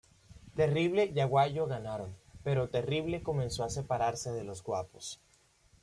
Terrible y Aguayo ganaron, pero Terrible comenzó a separarse de Los Guapos.